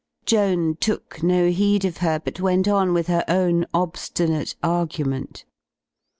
Joan took no heed of her but went on with her own obstinate argument.